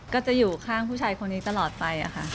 ก็จะอยู่ข้างผู้ชายคนนี้ตลอดไปค่ะ